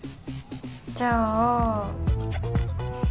じゃあ。